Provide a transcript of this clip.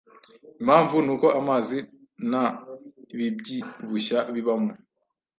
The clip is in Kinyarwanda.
Impamvu ni uko amazi nta bibyibushya bibamo,